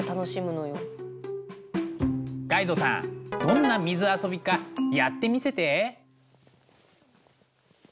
ガイドさんどんな水遊びかやってみせて。